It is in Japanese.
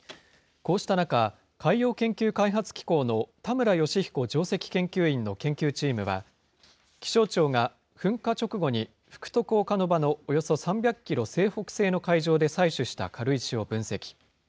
こうした中、海洋研究開発機構の田村芳彦上席研究員の研究チームは、気象庁が噴火直後に福徳岡ノ場のおよそ３００キロ西北西の海上で採取した軽石を分析。